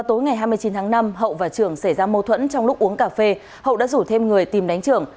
tối ngày hai mươi chín tháng năm hậu và trường xảy ra mâu thuẫn trong lúc uống cà phê hậu đã rủ thêm người tìm đánh trưởng